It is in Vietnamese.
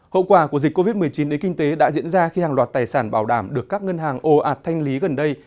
hậu quả của dịch covid một mươi chín đến kinh tế đã diễn ra khi hàng loạt tài sản bảo đảm được các ngân hàng ồ ạt thanh lý gần đây